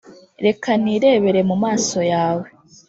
reka nirebere mu maso yawe,